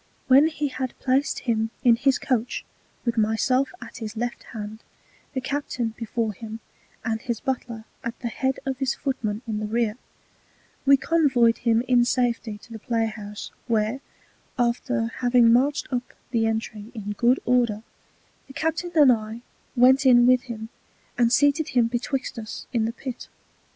When he had placed him in his Coach, with my self at his Left Hand, the Captain before him, and his Butler at the Head of his Footmen in the Rear, we convoy'd him in safety to the Play house, where, after having marched up the Entry in good order, the Captain and I went in with him, and seated him betwixt us in the Pit.